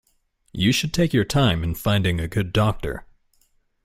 You should take your time in finding a good doctor.